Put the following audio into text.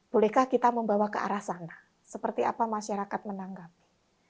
bolehkah kita membawa ke arah sana seperti apa masyarakat menanggapi